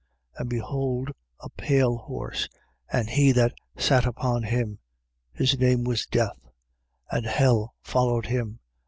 6:8. And behold a pale horse: and he that sat upon him, his name was Death. And hell followed him.